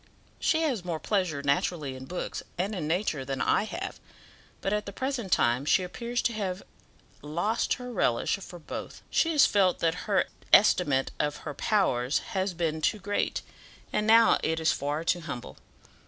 "She has more pleasure naturally in books and in nature than I have, but at the present time she appears to have to have lost her relish for both. She has felt that her estimate of her powers has been too great, and now it is far too humble.